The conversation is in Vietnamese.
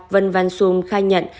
vân văn xuân khai nhận